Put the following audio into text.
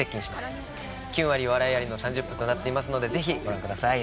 キュンあり笑いありの３０分となっていますのでぜひご覧ください。